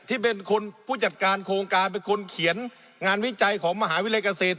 ที่เป็นคนผู้จัดการโครงการเป็นคนเขียนงานวิจัยของมหาวิทยาลัยเกษตร